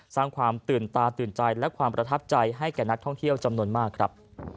สร้างความตื่นตาตื่นใจและความประทับใจให้แก่นักท่องเที่ยวจำนวนมากครับ